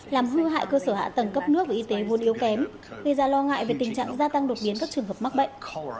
làm hư hại cơ sở hạ tầng cấp nước và y tế vốn yếu kém gây ra lo ngại về tình trạng gia tăng đột biến các trường hợp mắc bệnh